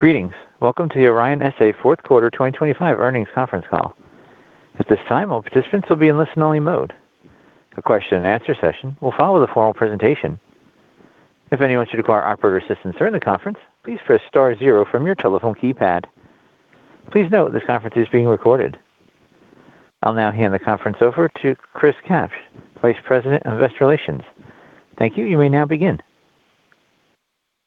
Greetings. Welcome to the Orion S.A. fourth quarter 2025 earnings conference call. At this time, all participants will be in listen-only mode. A question and answer session will follow the formal presentation. If anyone should require operator assistance during the conference, please press star zero from your telephone keypad. Please note, this conference is being recorded. I'll now hand the conference over to Chris Kapsch, Vice President of Investor Relations. Thank you. You may now begin.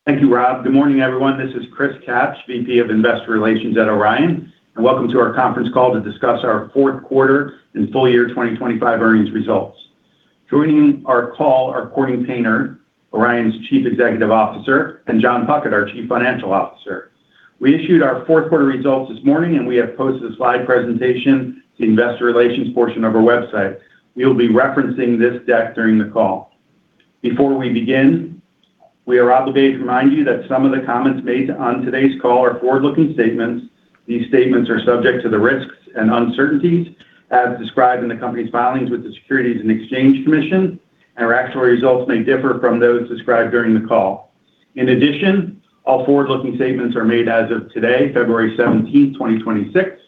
Thank you, Rob. Good morning, everyone. This is Chris Kapsch, VP of Investor Relations at Orion, and welcome to our conference call to discuss our fourth quarter and full year 2025 earnings results. Joining our call are Corning Painter, Orion's Chief Executive Officer, and Jon Puckett, our Chief Financial Officer. We issued our fourth quarter results this morning, and we have posted a slide presentation to the investor relations portion of our website. We'll be referencing this deck during the call. Before we begin, we are obligated to remind you that some of the comments made on today's call are forward-looking statements. These statements are subject to the risks and uncertainties as described in the company's filings with the Securities and Exchange Commission, and our actual results may differ from those described during the call. In addition, all forward-looking statements are made as of today, February 17th, 2026.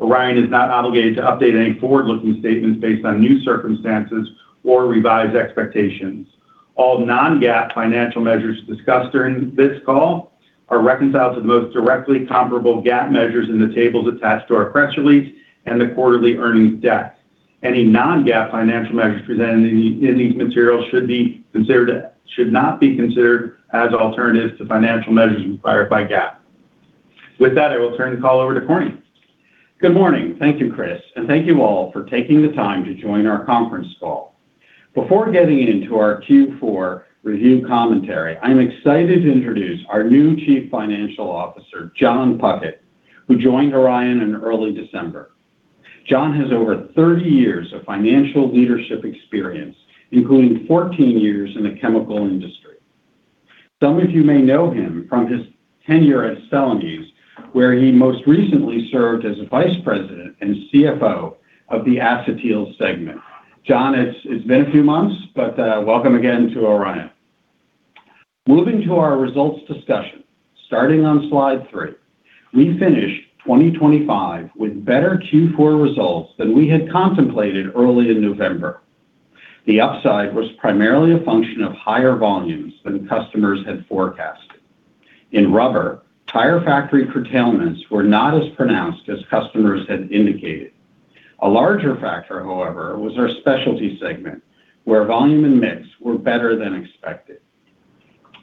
Orion is not obligated to update any forward-looking statements based on new circumstances or revised expectations. All non-GAAP financial measures discussed during this call are reconciled to the most directly comparable GAAP measures in the tables attached to our press release and the quarterly earnings deck. Any non-GAAP financial measures presented in these materials should not be considered as alternatives to financial measures required by GAAP. With that, I will turn the call over to Corning. Good morning. Thank you, Chris, and thank you all for taking the time to join our conference call. Before getting into our Q4 review commentary, I'm excited to introduce our new Chief Financial Officer, Jon Puckett, who joined Orion in early December. Jon has over 30 years of financial leadership experience, including 14 years in the chemical industry. Some of you may know him from his tenure at Celanese, where he most recently served as a Vice President and CFO of the Acetyl segment. Jon, it's been a few months, but welcome again to Orion. Moving to our results discussion, starting on slide three, we finished 2025 with better Q4 results than we had contemplated early in November. The upside was primarily a function of higher volumes than customers had forecasted. In Rubber, tire factory curtailments were not as pronounced as customers had indicated. A larger factor, however, was our specialty segment, where volume and mix were better than expected.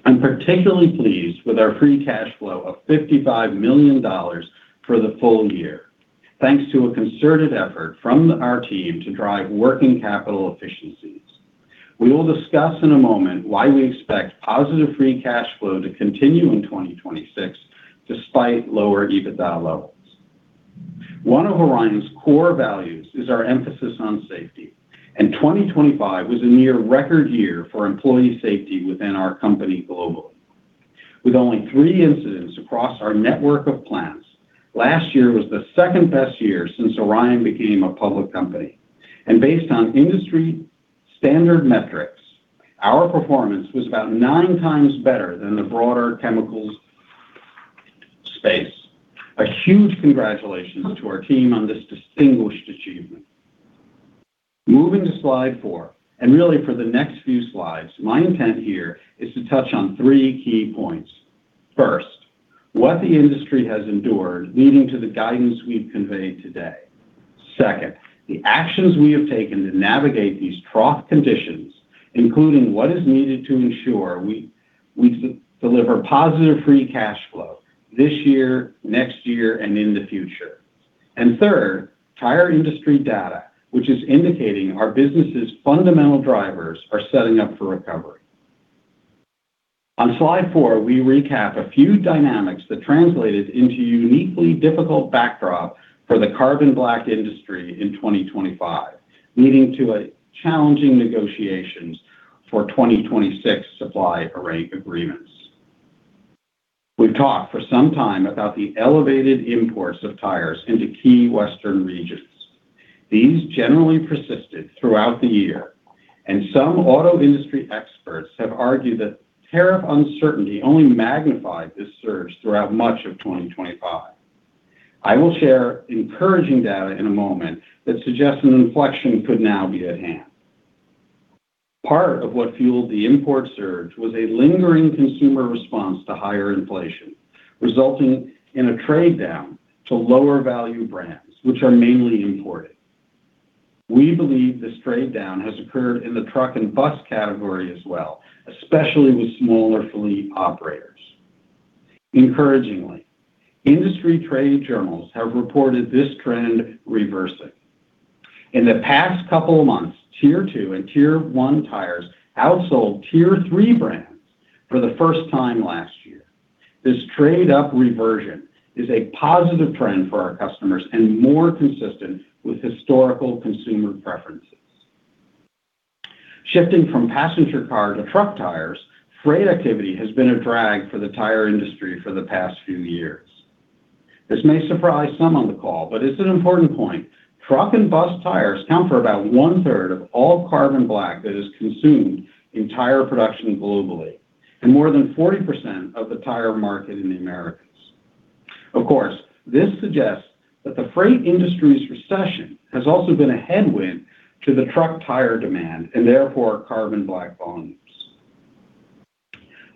I'm particularly pleased with our free cash flow of $55 million for the full year, thanks to a concerted effort from our team to drive working capital efficiencies. We will discuss in a moment why we expect positive free cash flow to continue in 2026, despite lower EBITDA levels. One of Orion's core values is our emphasis on safety, and 2025 was a near record year for employee safety within our company globally. With only three incidents across our network of plants, last year was the second-best year since Orion became a public company, and based on industry standard metrics, our performance was about 9x better than the broader chemicals space. A huge congratulations to our team on this distinguished achievement. Moving to slide four, and really for the next few slides, my intent here is to touch on three key points. First, what the industry has endured, leading to the guidance we've conveyed today. Second, the actions we have taken to navigate these trough conditions, including what is needed to ensure we deliver positive free cash flow this year, next year, and in the future. Third, tire industry data, which is indicating our business's fundamental drivers are setting up for recovery. On slide four, we recap a few dynamics that translated into a uniquely difficult backdrop for the carbon black industry in 2025, leading to challenging negotiations for 2026 supply agreements. We've talked for some time about the elevated imports of tires into key Western regions. These generally persisted throughout the year, and some auto industry experts have argued that tariff uncertainty only magnified this surge throughout much of 2025. I will share encouraging data in a moment that suggests an inflection could now be at hand. Part of what fueled the import surge was a lingering consumer response to higher inflation, resulting in a trade down to lower-value brands, which are mainly imported. We believe this trade down has occurred in the truck and bus category as well, especially with smaller fleet operators. Encouragingly, industry trade journals have reported this trend reversing. In the past couple of months, Tier 2 and Tier 1 tires outsold Tier 3 brands for the first time last year. This trade-up reversion is a positive trend for our customers and more consistent with historical consumer preferences. Shifting from passenger car to truck tires, freight activity has been a drag for the tire industry for the past few years. This may surprise some on the call, but it's an important point. Truck and bus tires account for about one-third of all carbon black that is consumed in tire production globally, and more than 40% of the tire market in the Americas. Of course, this suggests that the freight industry's recession has also been a headwind to the truck tire demand, and therefore, carbon black volumes.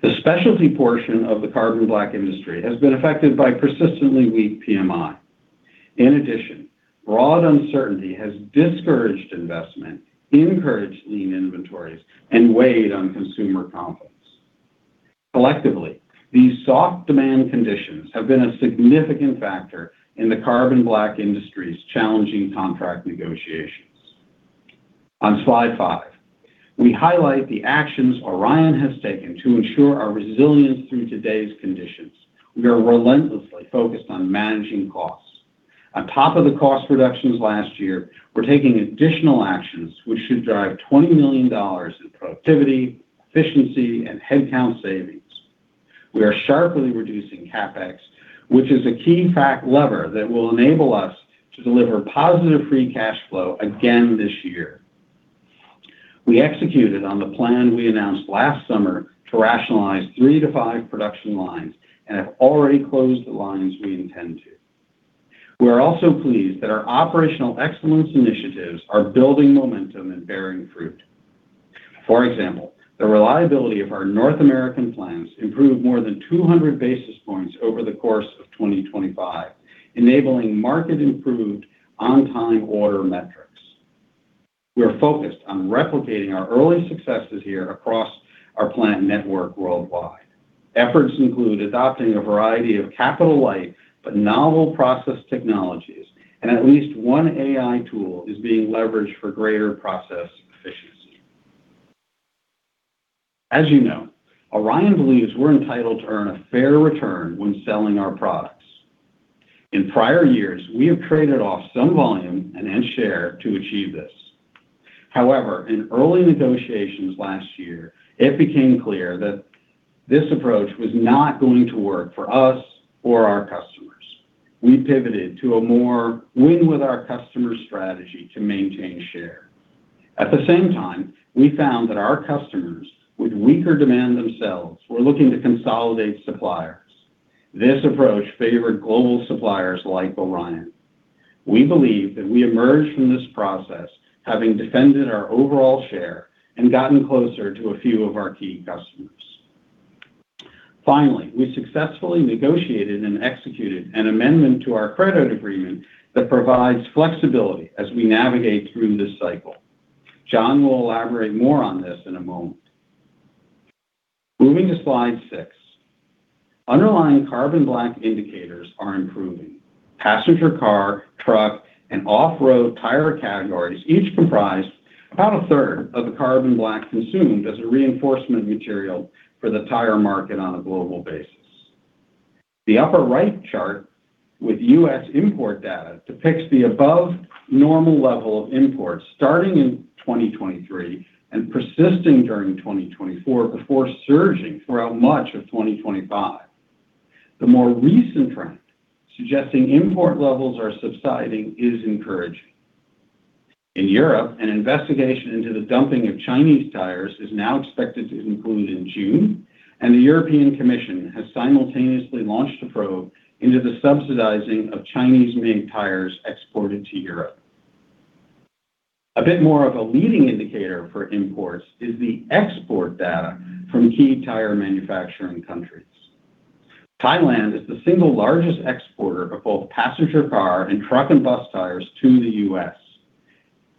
The specialty portion of the carbon black industry has been affected by persistently weak PMI. In addition, broad uncertainty has discouraged investment, encouraged lean inventories, and weighed on consumer confidence. Collectively, these soft demand conditions have been a significant factor in the carbon black industry's challenging contract negotiations. On slide five, we highlight the actions Orion has taken to ensure our resilience through today's conditions. We are relentlessly focused on managing costs. On top of the cost reductions last year, we're taking additional actions, which should drive $20 million in productivity, efficiency, and headcount savings. We are sharply reducing CapEx, which is a key factor lever that will enable us to deliver positive free cash flow again this year. We executed on the plan we announced last summer to rationalize 3-5 production lines and have already closed the lines we intend to. We are also pleased that our operational excellence initiatives are building momentum and bearing fruit. For example, the reliability of our North American plants improved more than 200 basis points over the course of 2025, enabling markedly improved, on-time order metrics. We are focused on replicating our early successes here across our plant network worldwide. Efforts include adopting a variety of capital-light, but novel process technologies, and at least one AI tool is being leveraged for greater process efficiency. As you know, Orion believes we're entitled to earn a fair return when selling our products. In prior years, we have traded off some volume and end share to achieve this. However, in early negotiations last year, it became clear that this approach was not going to work for us or our customers. We pivoted to a more win with our customer strategy to maintain share. At the same time, we found that our customers, with weaker demand themselves, were looking to consolidate suppliers. This approach favored global suppliers like Orion. We believe that we emerged from this process, having defended our overall share and gotten closer to a few of our key customers. Finally, we successfully negotiated and executed an amendment to our credit agreement that provides flexibility as we navigate through this cycle. Jon will elaborate more on this in a moment. Moving to slide six. Underlying carbon black indicators are improving. Passenger car, truck, and off-road tire categories, each comprise about a third of the carbon black consumed as a reinforcement material for the tire market on a global basis. The upper right chart with U.S. import data depicts the above normal level of imports starting in 2023 and persisting during 2024, before surging throughout much of 2025. The more recent trend, suggesting import levels are subsiding, is encouraging. In Europe, an investigation into the dumping of Chinese tires is now expected to conclude in June, and the European Commission has simultaneously launched a probe into the subsidizing of Chinese-made tires exported to Europe. A bit more of a leading indicator for imports is the export data from key tire manufacturing countries. Thailand is the single largest exporter of both passenger car and truck, and bus tires to the U.S.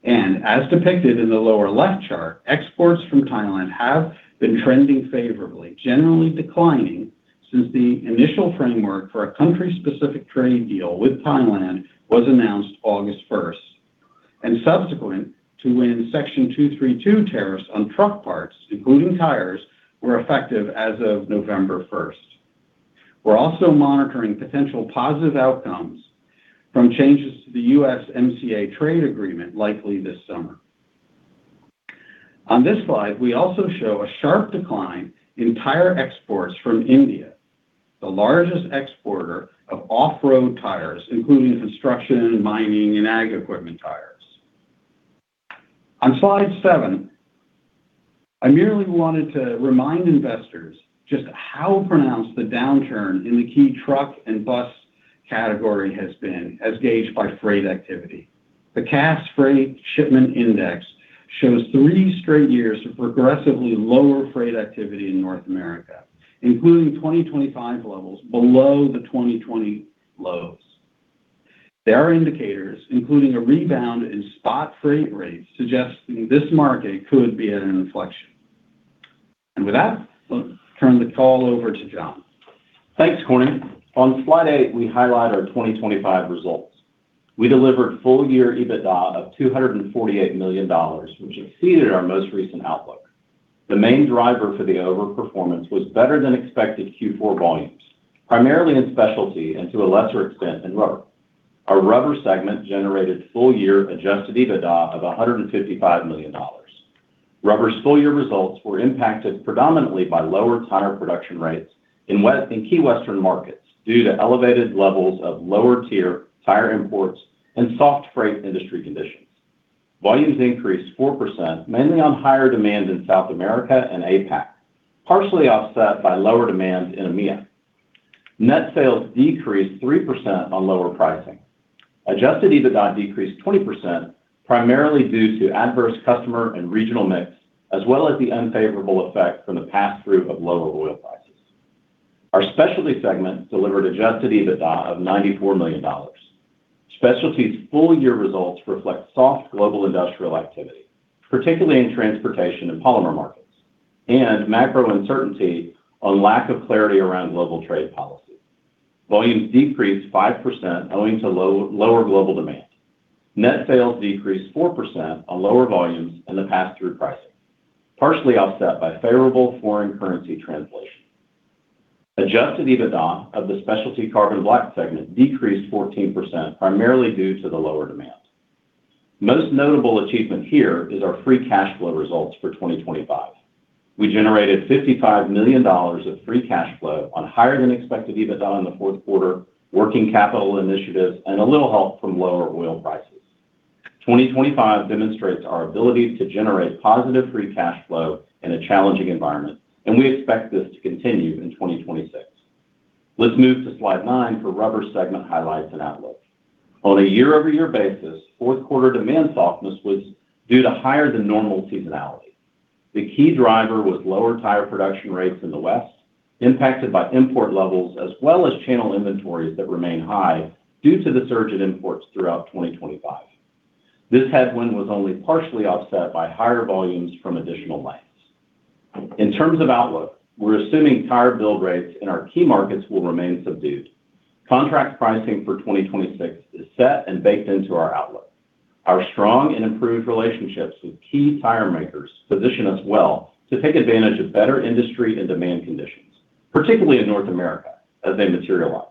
And as depicted in the lower left chart, exports from Thailand have been trending favorably, generally declining since the initial framework for a country-specific trade deal with Thailand was announced August first, and subsequent to when Section 232 tariffs on truck parts, including tires, were effective as of November first. We're also monitoring potential positive outcomes from changes to the USMCA Trade Agreement, likely this summer. On this slide, we also show a sharp decline in tire exports from India, the largest exporter of off-road tires, including construction, mining, and ag equipment tires. On slide seven, I merely wanted to remind investors just how pronounced the downturn in the key truck and bus category has been as gauged by freight activity. The Cass Freight Shipment Index shows three straight years of progressively lower freight activity in North America, including 2025 levels below the 2020 lows. There are indicators, including a rebound in spot freight rates, suggesting this market could be at an inflection. With that, I'll turn the call over to Jon. Thanks, Corning. On slide eight, we highlight our 2025 results. We delivered full-year EBITDA of $248 million, which exceeded our most recent outlook. The main driver for the overperformance was better than expected Q4 volumes, primarily in Specialty and to a lesser extent, in Rubber. Our Rubber segment generated full-year Adjusted EBITDA of $155 million. Rubber's full-year results were impacted predominantly by lower tire production rates in key Western markets due to elevated levels of lower-tier tire imports and soft freight industry conditions. Volumes increased 4%, mainly on higher demand in South America and APAC, partially offset by lower demand in EMEA. Net sales decreased 3% on lower pricing. Adjusted EBITDA decreased 20%, primarily due to adverse customer and regional mix, as well as the unfavorable effect from the passthrough of lower oil prices. Our specialty segment delivered Adjusted EBITDA of $94 million. Specialty's full year results reflect soft global industrial activity, particularly in transportation and polymer markets, and macro uncertainty on lack of clarity around global trade policy. Volumes decreased 5%, owing to lower global demand. Net sales decreased 4% on lower volumes and the passthrough pricing, partially offset by favorable foreign currency translation. Adjusted EBITDA of the specialty carbon black segment decreased 14%, primarily due to the lower demand. Most notable achievement here is our free cash flow results for 2025. We generated $55 million of free cash flow on higher than expected EBITDA in the fourth quarter, working capital initiatives, and a little help from lower oil prices. 2025 demonstrates our ability to generate positive free cash flow in a challenging environment, and we expect this to continue in 2026. Let's move to slide nine for Rubber segment highlights and outlook. On a year-over-year basis, fourth quarter demand softness was due to higher than normal seasonality. The key driver was lower tire production rates in the West, impacted by import levels, as well as channel inventories that remain high due to the surge in imports throughout 2025. This headwind was only partially offset by higher volumes from additional lines. In terms of outlook, we're assuming tire build rates in our key markets will remain subdued. Contract pricing for 2026 is set and baked into our outlook. Our strong and improved relationships with key tire makers position us well to take advantage of better industry and demand conditions, particularly in North America, as they materialize.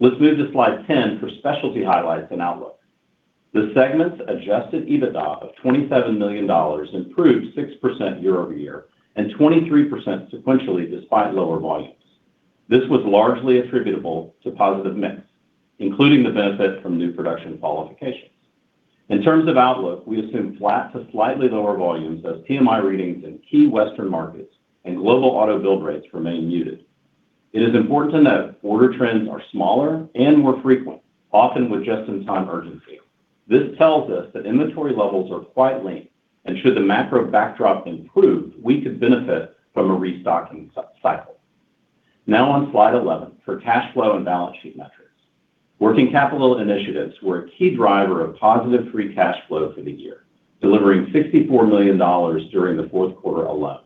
Let's move to slide 10 for specialty highlights and outlook. The segment's Adjusted EBITDA of $27 million improved 6% year-over-year, and 23% sequentially, despite lower volumes. This was largely attributable to positive mix, including the benefit from new production qualifications. In terms of outlook, we assume flat to slightly lower volumes as PMI readings in key Western markets and global auto build rates remain muted. It is important to note order trends are smaller and more frequent, often with just-in-time urgency. This tells us that inventory levels are quite lean, and should the macro backdrop improve, we could benefit from a restocking cycle. Now on slide 11, for cash flow and balance sheet metrics. Working capital initiatives were a key driver of positive free cash flow for the year, delivering $64 million during the fourth quarter alone.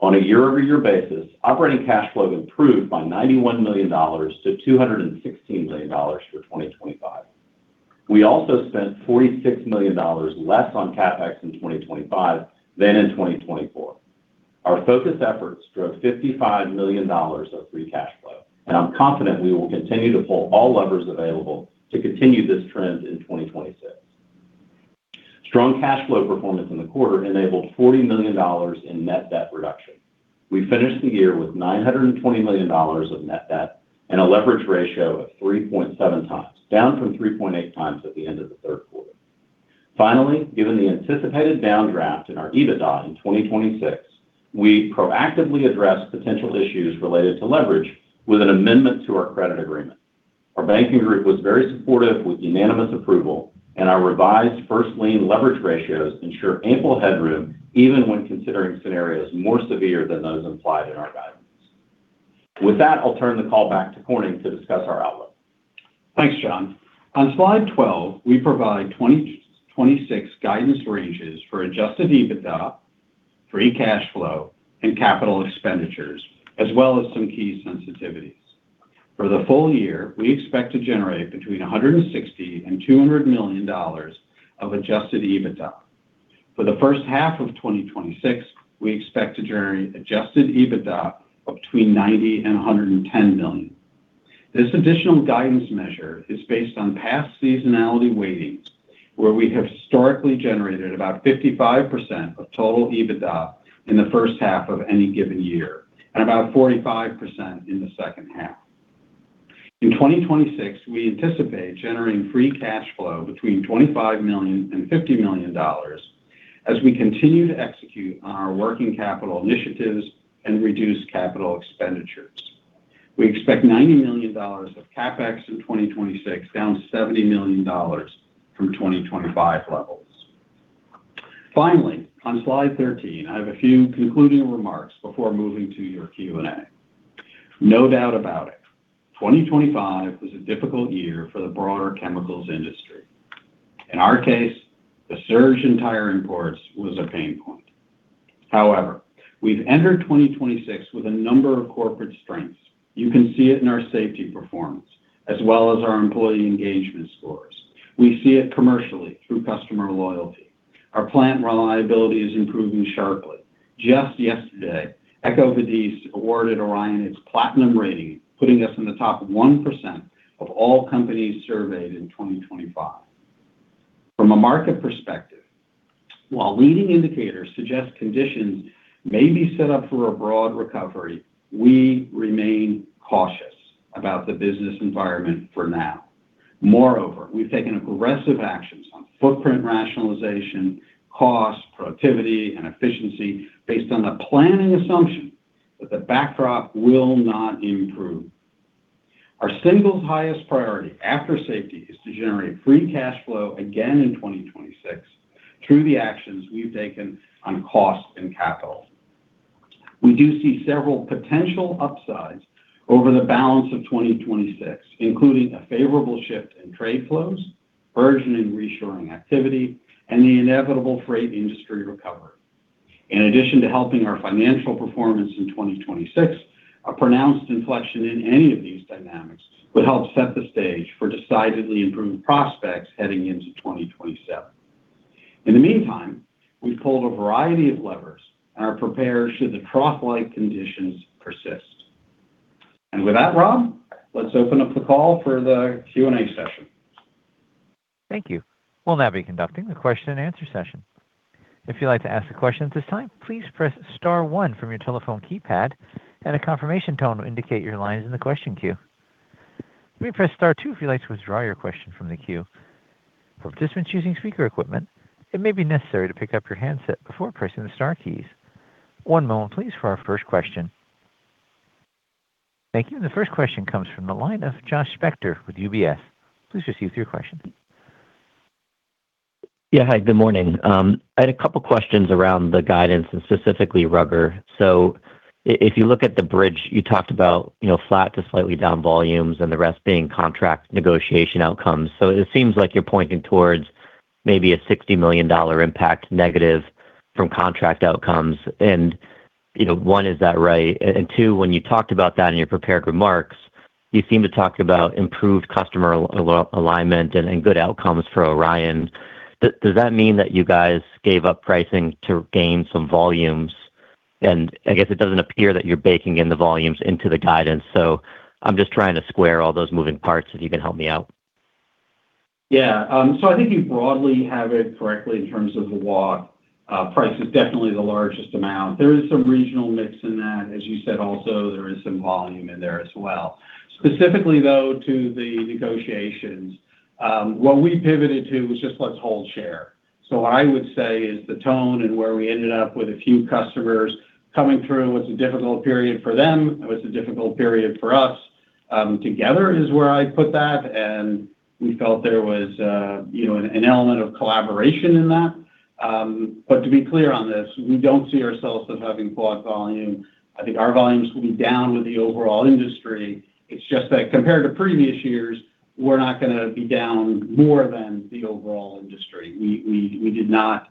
On a year-over-year basis, operating cash flow improved by $91 million-$216 million for 2025. We also spent $46 million less on CapEx in 2025 than in 2024. Our focused efforts drove $55 million of free cash flow, and I'm confident we will continue to pull all levers available to continue this trend in 2026. Strong cash flow performance in the quarter enabled $40 million in net debt reduction. We finished the year with $920 million of net debt and a leverage ratio of 3.7x, down from 3.8x at the end of the third quarter. Finally, given the anticipated downdraft in our EBITDA in 2026, we proactively addressed potential issues related to leverage with an amendment to our credit agreement. Our banking group was very supportive with unanimous approval, and our revised first lien leverage ratios ensure ample headroom, even when considering scenarios more severe than those implied in our guidance. With that, I'll turn the call back to Corning to discuss our outlook. Thanks, Jon. On slide 12, we provide 2026 guidance ranges for Adjusted EBITDA, free cash flow, and capital expenditures, as well as some key sensitivities. For the full year, we expect to generate between $160 million and $200 million of Adjusted EBITDA. For the first half of 2026, we expect to generate Adjusted EBITDA of between $90 million and $110 million. This additional guidance measure is based on past seasonality weightings, where we have historically generated about 55% of total EBITDA in the first half of any given year and about 45% in the second half. In 2026, we anticipate generating free cash flow between $25 million and $50 million as we continue to execute on our working capital initiatives and reduce capital expenditures. We expect $90 million of CapEx in 2026, down $70 million from 2025 levels. Finally, on slide 13, I have a few concluding remarks before moving to your Q&A. No doubt about it, 2025 was a difficult year for the broader chemicals industry. In our case, the surge in tire imports was a pain point. However, we've entered 2026 with a number of corporate strengths. You can see it in our safety performance, as well as our employee engagement scores. We see it commercially through customer loyalty. Our plant reliability is improving sharply. Just yesterday, EcoVadis awarded Orion its platinum rating, putting us in the top 1% of all companies surveyed in 2025. From a market perspective, while leading indicators suggest conditions may be set up for a broad recovery, we remain cautious about the business environment for now. Moreover, we've taken aggressive actions on footprint rationalization, cost, productivity, and efficiency based on the planning assumption that the backdrop will not improve. Our single highest priority after safety, is to generate free cash flow again in 2026 through the actions we've taken on cost and capital. We do see several potential upsides over the balance of 2026, including a favorable shift in trade flows, burgeoning reshoring activity, and the inevitable freight industry recovery. In addition to helping our financial performance in 2026, a pronounced inflection in any of these dynamics would help set the stage for decidedly improved prospects heading into 2027. In the meantime, we've pulled a variety of levers and are prepared should the trough-like conditions persist. With that, Rob, let's open up the call for the Q&A session. Thank you. We'll now be conducting the question and answer session. If you'd like to ask a question at this time, please press star one from your telephone keypad, and a confirmation tone will indicate your line is in the question queue. You may press star two if you'd like to withdraw your question from the queue. For participants using speaker equipment, it may be necessary to pick up your handset before pressing the star keys. One moment, please, for our first question. Thank you. The first question comes from the line of Josh Spector with UBS. Please proceed with your question. Yeah, hi, good morning. I had a couple questions around the guidance and specifically Rubber. So if you look at the bridge, you talked about, you know, flat to slightly down volumes and the rest being contract negotiation outcomes. So it seems like you're pointing towards maybe a $60 million impact negative from contract outcomes. And, you know, one, is that right? And two, when you talked about that in your prepared remarks, you seemed to talk about improved customer alignment and, and good outcomes for Orion. Does that mean that you guys gave up pricing to gain some volumes? And I guess it doesn't appear that you're baking in the volumes into the guidance. So I'm just trying to square all those moving parts, if you can help me out. Yeah. So I think you broadly have it correctly in terms of the walk. Price is definitely the largest amount. There is some regional mix in that. As you said, also, there is some volume in there as well. Specifically, though, to the negotiations, what we pivoted to was just let's hold share. So what I would say is the tone and where we ended up with a few customers coming through, it was a difficult period for them. It was a difficult period for us. Together is where I'd put that, and we felt there was, you know, an element of collaboration in that. But to be clear on this, we don't see ourselves as having bought volume. I think our volumes will be down with the overall industry. It's just that compared to previous years, we're not gonna be down more than the overall industry. We did not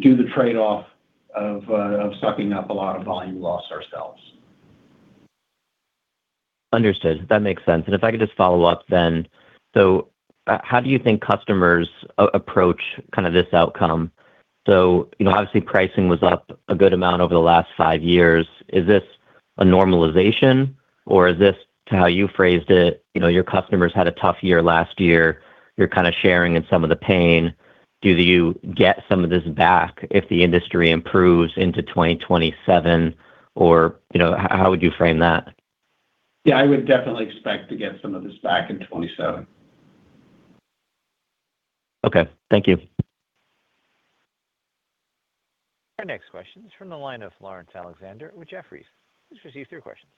do the trade-off of sucking up a lot of volume loss ourselves. Understood. That makes sense. If I could just follow up then. So, how do you think customers approach kind of this outcome? So you know, obviously, pricing was up a good amount over the last five years. Is this a normalization or is this, to how you phrased it, you know, your customers had a tough year last year, you're kind of sharing in some of the pain. Do you get some of this back if the industry improves into 2027, or, you know, how, how would you frame that? Yeah, I would definitely expect to get some of this back in 2027. Okay. Thank you. Our next question is from the line of Lawrence Alexander with Jefferies. Please receive your question.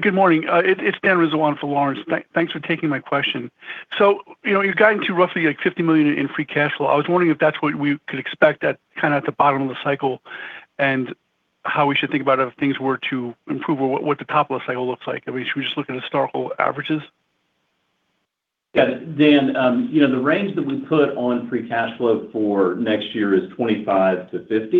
Good morning. It's Dan Rizzo for Lawrence. Thanks for taking my question. So you know, you've gotten to roughly, like, $50 million in free cash flow. I was wondering if that's what we could expect at, kinda at the bottom of the cycle and how we should think about it if things were to improve or what the top of the cycle looks like? I mean, should we just look at historical averages? Got it. Dan, you know, the range that we put on free cash flow for next year is $25 million-$50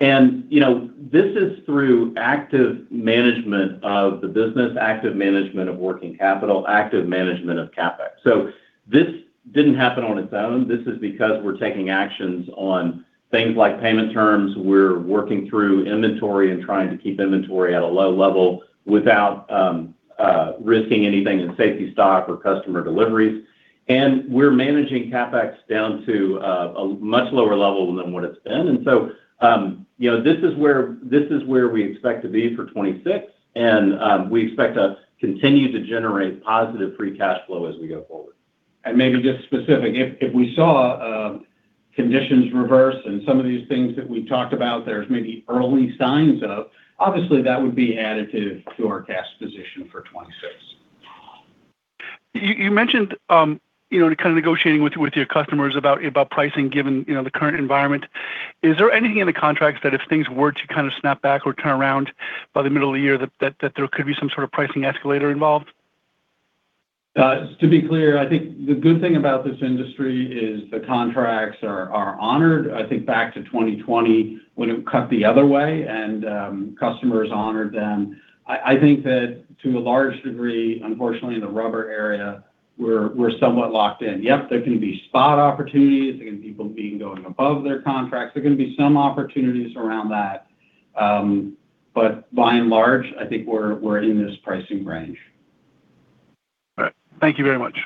million. You know, this is through active management of the business, active management of working capital, active management of CapEx. So this didn't happen on its own. This is because we're taking actions on things like payment terms. We're working through inventory and trying to keep inventory at a low level without risking anything in safety stock or customer deliveries. We're managing CapEx down to a much lower level than what it's been. So you know, this is where, this is where we expect to be for 2026, and we expect to continue to generate positive free cash flow as we go forward. Maybe just specific, if we saw conditions reverse and some of these things that we've talked about, there's maybe early signs of, obviously that would be additive to our cash position for 2026. You mentioned, you know, kind of negotiating with your customers about pricing, given, you know, the current environment. Is there anything in the contracts that if things were to kind of snap back or turn around by the middle of the year, that there could be some sort of pricing escalator involved? To be clear, I think the good thing about this industry is the contracts are honored. I think back to 2020, when it cut the other way and customers honored them. I think that to a large degree, unfortunately, in the Rubber area, we're somewhat locked in. Yep, there can be spot opportunities. There can be people going above their contracts. There are gonna be some opportunities around that. But by and large, I think we're in this pricing range. All right. Thank you very much.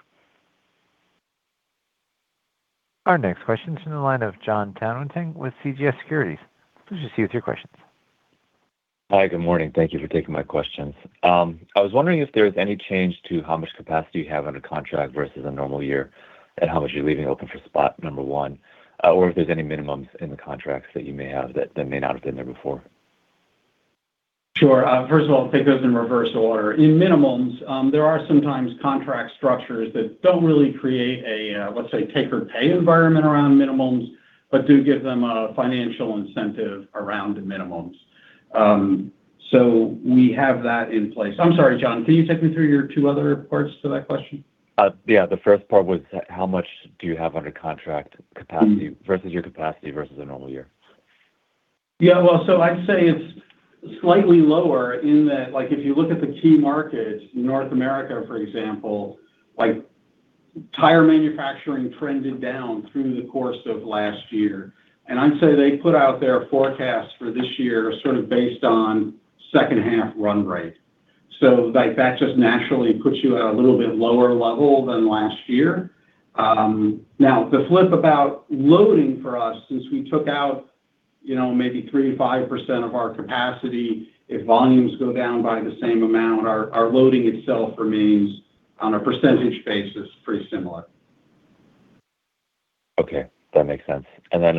Our next question is in the line of Jon Tanwanteng with CJS Securities. Please proceed with your questions. Hi, good morning. Thank you for taking my questions. I was wondering if there was any change to how much capacity you have under contract versus a normal year, and how much you're leaving open for spot, number one, or if there's any minimums in the contracts that you may have that may not have been there before? Sure. First of all, take those in reverse order. In minimums, there are sometimes contract structures that don't really create a, let's say, take or pay environment around minimums, but do give them a financial incentive around the minimums. So we have that in place. I'm sorry, Jon, can you take me through your two other parts to that question? Yeah, the first part was, how much do you have under contract capacity- Mm... versus your capacity versus a normal year? Yeah, well, so I'd say it's slightly lower in that, like, if you look at the key markets, North America, for example, like, tire manufacturing trended down through the course of last year. And I'd say they put out their forecast for this year, sort of based on second half run rate. So like, that just naturally puts you at a little bit lower level than last year. Now, the flip about loading for us, since we took out, you know, maybe 3%-5% of our capacity, if volumes go down by the same amount, our, our loading itself remains, on a percentage basis, pretty similar. Okay, that makes sense. And then,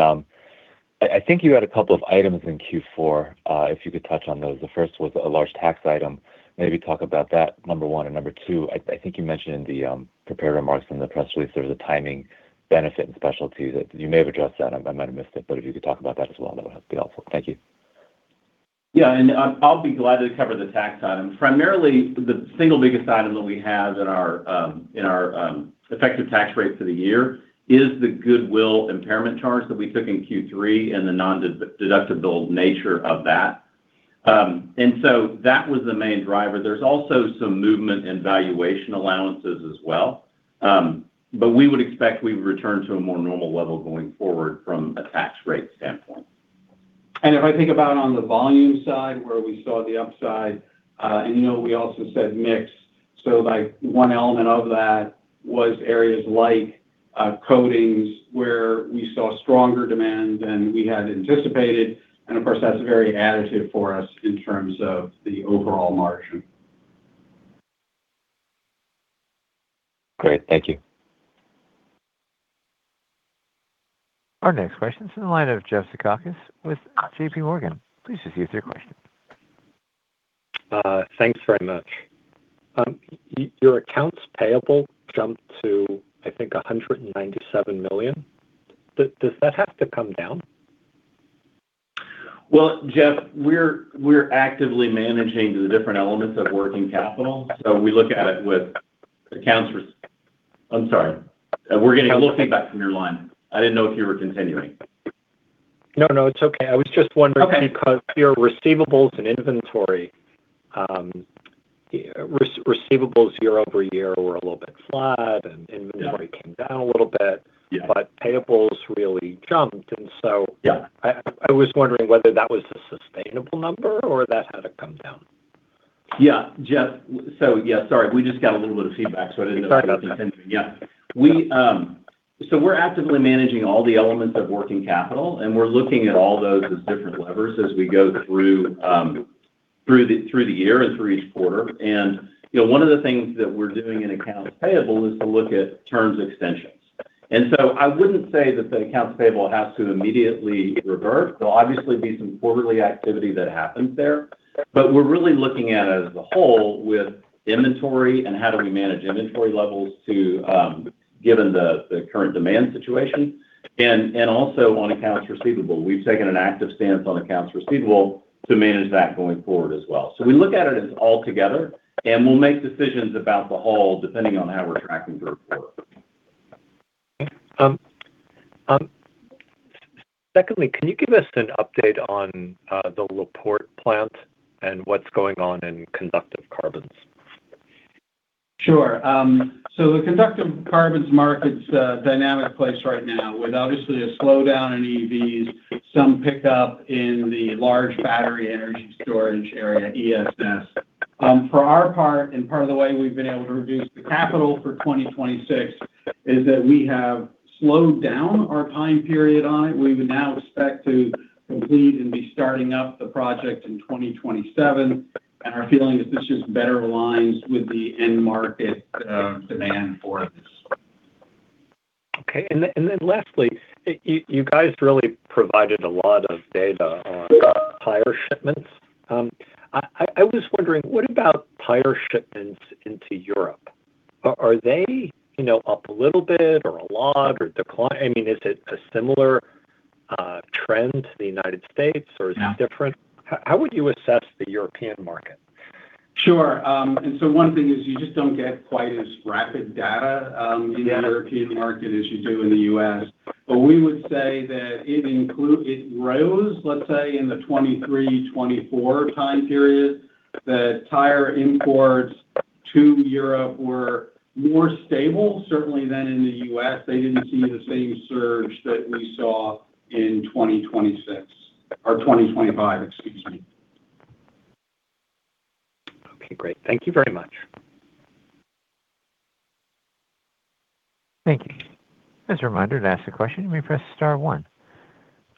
I think you had a couple of items in Q4, if you could touch on those. The first was a large tax item. Maybe talk about that, number one, and number two, I think you mentioned in the prepared remarks in the press release, there was a timing benefit and specialty that you may have addressed that, I might have missed it, but if you could talk about that as well, that would be helpful. Thank you. Yeah, and I, I'll be glad to cover the tax item. Primarily, the single biggest item that we have in our effective tax rate for the year is the Goodwill impairment charge that we took in Q3 and the nondeductible nature of that. And so that was the main driver. There's also some movement in valuation allowances as well. But we would expect we return to a more normal level going forward from a tax rate standpoint. And if I think about on the volume side, where we saw the upside, and, you know, we also said mix. So like, one element of that was areas like, coatings, where we saw stronger demand than we had anticipated, and of course, that's very additive for us in terms of the overall margin. Great, thank you. Our next question is in the line of Jeff Zekauskas with JPMorgan. Please proceed with your question. Thanks very much. Your accounts payable jumped to, I think, $197 million. Does that have to come down? Well, Jeff, we're actively managing the different elements of working capital, so we look at it. I'm sorry. We're getting a little feedback from your line. I didn't know if you were continuing. No, no, it's okay. I was just wondering- Okay Because your receivables and inventory, receivables year over year were a little bit flat, and- Yeah Inventory came down a little bit. Yeah. Payables really jumped. And so- Yeah I was wondering whether that was a sustainable number or that had to come down. Yeah. Jeff, so yeah, sorry, we just got a little bit of feedback, so I didn't know- Sorry about that. Yeah. We're actively managing all the elements of working capital, and we're looking at all those as different levers as we go through the year and through each quarter. You know, one of the things that we're doing in accounts payable is to look at terms extensions. So I wouldn't say that the accounts payable has to immediately reverse. There'll obviously be some quarterly activity that happens there, but we're really looking at it as a whole, with inventory and how do we manage inventory levels given the current demand situation, and also on accounts receivable. We've taken an active stance on accounts receivable to manage that going forward as well. So we look at it altogether, and we'll make decisions about the whole, depending on how we're tracking through the quarter. Okay. Secondly, can you give us an update on the La Porte plant and what's going on in conductive carbons? Sure. So the conductive carbons market's a dynamic place right now with obviously a slowdown in EVs, some pickup in the large battery energy storage area, ESS. For our part, and part of the way we've been able to reduce the capital for 2026, is that we have slowed down our time period on it. We would now expect to complete and be starting up the project in 2027, and our feeling is this just better aligns with the end market demand for this. Okay. And then lastly, you guys really provided a lot of data on, tire shipments. I was wondering, what about tire shipments into Europe? Are they, you know, up a little bit or a lot or decline? I mean, is it a similar trend to the United States? Yeah Or is it different? How would you assess the European market? Sure. And so one thing is you just don't get quite as rapid data. Yeah In the European market as you do in the U.S. But we would say that it included. It rose, let's say, in the 2023-2024 time period, that tire imports to Europe were more stable, certainly, than in the U.S. They didn't see the same surge that we saw in 2026, or 2025, excuse me. Okay, great. Thank you very much. Thank you. As a reminder, to ask a question, you may press star one.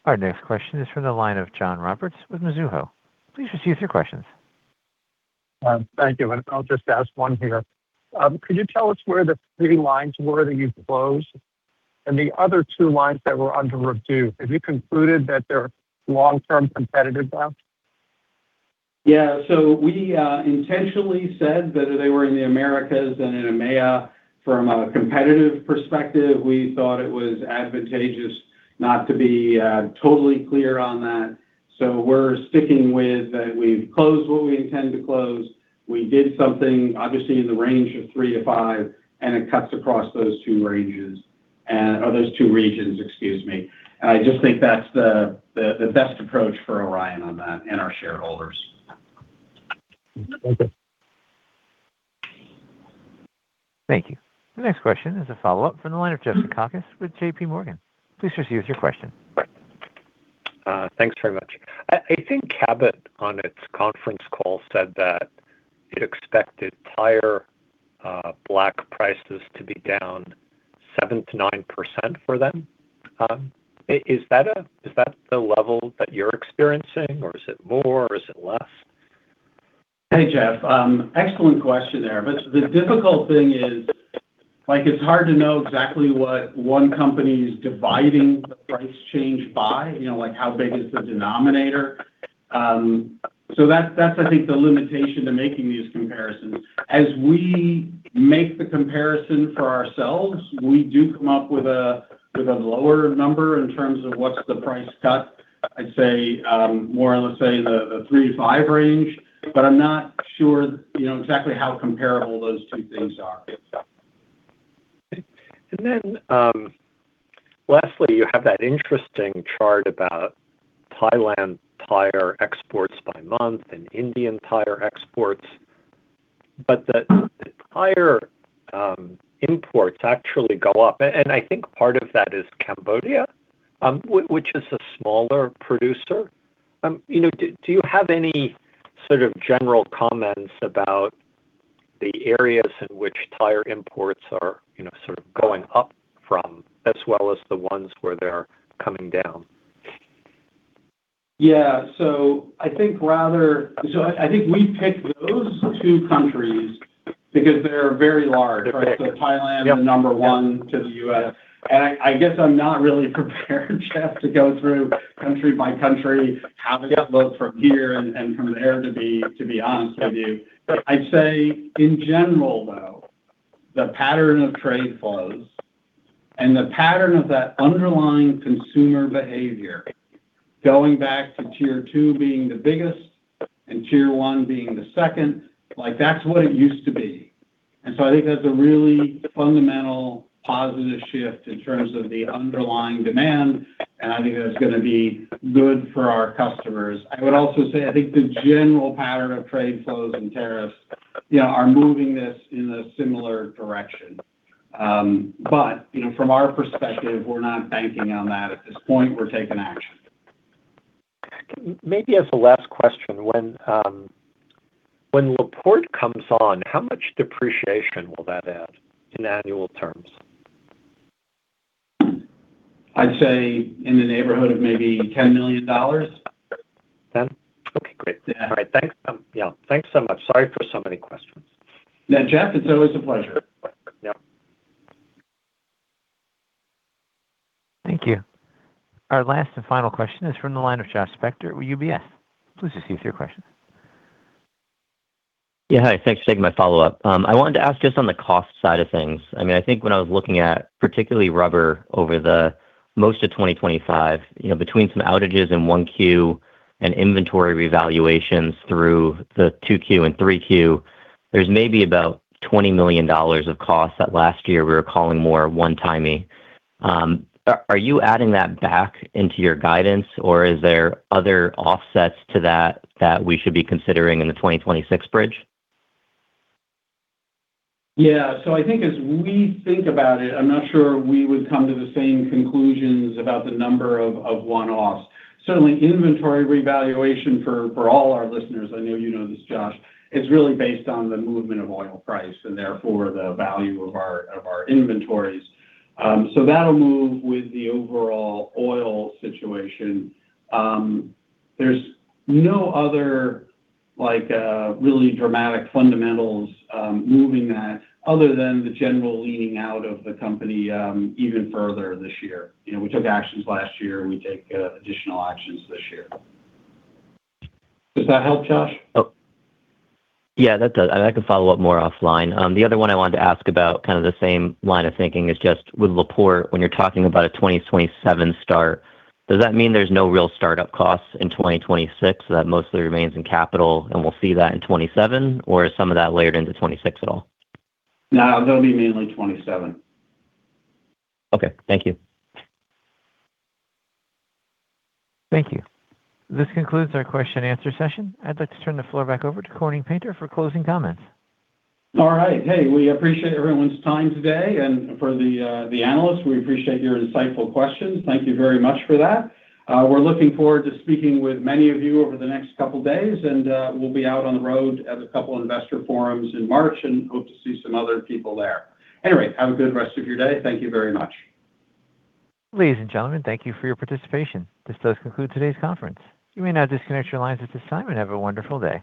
Our next question is from the line of John Roberts with Mizuho. Please just use your questions. Thank you. I'll just ask one here. Could you tell us where the three lines were that you closed and the other two lines that were under review? Have you concluded that they're long-term competitive doubts? Yeah. So we intentionally said that they were in the Americas and in EMEA. From a competitive perspective, we thought it was advantageous not to be totally clear on that. So we're sticking with that we've closed what we intend to close. We did something obviously in the range of 3-5, and it cuts across those two regions, excuse me. And I just think that's the best approach for Orion on that and our shareholders. Thank you. Thank you. The next question is a follow-up from the line of Jeff Zekauskas with JPMorgan. Please proceed with your question. Right. Thanks very much. I think Cabot, on its conference call, said that it expected higher black prices to be down 7%-9% for them. Is that the level that you're experiencing, or is it more, or is it less? Hey, Jeff. Excellent question there. But the difficult thing is, like, it's hard to know exactly what one company's dividing the price change by. You know, like, how big is the denominator? So that's, that's I think the limitation to making these comparisons. As we make the comparison for ourselves, we do come up with a, with a lower number in terms of what's the price cut. I'd say, more on, let's say, the, the 3-5 range, but I'm not sure, you know, exactly how comparable those two things are. And then, lastly, you have that interesting chart about Thailand tire exports by month and Indian tire exports, but the tire imports actually go up. And I think part of that is Cambodia, which is a smaller producer. You know, do you have any sort of general comments about the areas in which tire imports are, you know, sort of, going up from, as well as the ones where they're coming down? Yeah. So I think we picked those two countries because they're very large, right? Yep. So Thailand is number one to the U.S. And I guess I'm not really prepared, Jeff, to go through country by country, how we got those from here and from there, to be honest with you. But I'd say in general, though, the pattern of trade flows and the pattern of that underlying consumer behavior, going back to Tier 2 being the biggest and Tier 1 being the second, like, that's what it used to be. And so I think that's a really fundamental positive shift in terms of the underlying demand, and I think that's gonna be good for our customers. I would also say, I think the general pattern of trade flows and tariffs, yeah, are moving this in a similar direction. But, you know, from our perspective, we're not banking on that. At this point, we're taking action. Maybe as a last question, when, when La Porte comes on, how much depreciation will that add in annual terms? I'd say in the neighborhood of maybe $10 million. 10? Okay, great. Yeah. All right. Thanks, yeah. Thanks so much. Sorry for so many questions. Yeah, Jeff, it's always a pleasure. Yep. Thank you. Our last and final question is from the line of Josh Spector with UBS. Please just use your question. Yeah, hi. Thanks for taking my follow-up. I wanted to ask, just on the cost side of things, I mean, I think when I was looking at, particularly Rubber over most of 2025, you know, between some outages in 1Q and inventory revaluations through the 2Q and 3Q, there's maybe about $20 million of costs that last year we were calling more one-time. Are you adding that back into your guidance, or is there other offsets to that that we should be considering in the 2026 bridge? Yeah. So I think as we think about it, I'm not sure we would come to the same conclusions about the number of one-offs. Certainly inventory revaluation for all our listeners, I know you know this, Josh, is really based on the movement of oil price and therefore the value of our inventories. So that'll move with the overall oil situation. There's no other, like, really dramatic fundamentals moving that other than the general leaning out of the company even further this year. You know, we took actions last year, and we take additional actions this year. Does that help, Josh? Oh, yeah, that does. I can follow up more offline. The other one I wanted to ask about, kind of the same line of thinking, is just with La Porte, when you're talking about a 2027 start, does that mean there's no real startup costs in 2026, that mostly remains in capital, and we'll see that in 2027, or is some of that layered into 2026 at all? No, that'll be mainly 2027. Okay. Thank you. Thank you. This concludes our question and answer session. I'd like to turn the floor back over to Corning Painter for closing comments. All right. Hey, we appreciate everyone's time today, and for the, the analysts, we appreciate your insightful questions. Thank you very much for that. We're looking forward to speaking with many of you over the next couple of days, and, we'll be out on the road at a couple investor forums in March and hope to see some other people there. Anyway, have a good rest of your day. Thank you very much. Ladies and gentlemen, thank you for your participation. This does conclude today's conference. You may now disconnect your lines at this time, and have a wonderful day.